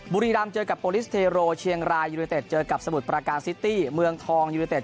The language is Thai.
บุรีรำเจอกับโปรลิสเทโรเชียงรายยูเนเต็ดเจอกับสมุทรประการซิตี้เมืองทองยูเนเต็